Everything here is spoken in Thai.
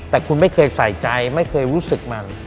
แต่คุณไม่เคยใส่ใจไม่เคยรู้สึกมัน